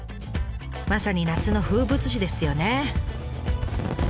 まさに夏の風物詩ですよね。